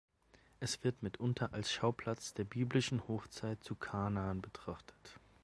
Es wird mitunter als Schauplatz der biblischen Hochzeit zu Kana betrachtet.